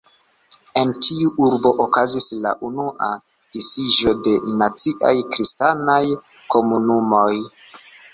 En tiu urbo okazis la unua disiĝo de naciaj kristanaj komunumoj.